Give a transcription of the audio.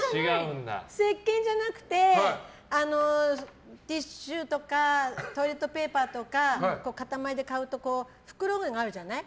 せっけんじゃなくてティッシュとかトイレットペーパーとか固まりで買うと袋があるじゃない。